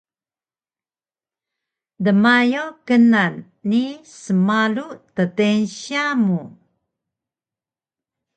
dmayaw knan ni smalu ddeynsya mu